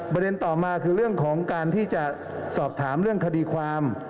ประเด็นต่อมาคือเรื่องของการที่จะสอบถามเรื่องคดีความ